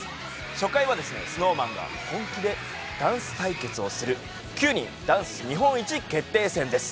初回はＳｎｏｗＭａｎが本気でダンス対決をする９人ダンス日本一決定戦です。